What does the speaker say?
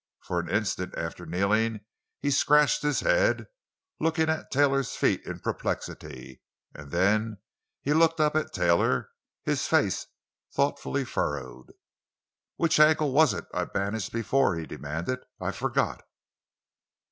For an instant after kneeling he scratched his head, looking at Taylor's feet in perplexity, and then he looked up at Taylor, his face thoughtfully furrowed. "Which ankle was it I bandaged before?" he demanded; "I've forgot!"